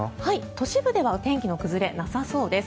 都市部では天気の崩れ、なさそうです。